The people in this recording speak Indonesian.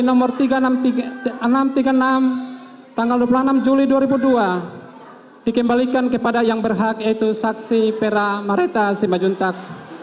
nomor enam ratus tiga puluh enam tanggal dua puluh enam juli dua ribu dua dikembalikan kepada yang berhak yaitu saksi pera marita simajuntak